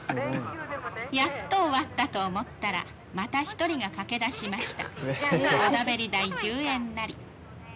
やっと終わったと思ったらまた一人がかけだしました。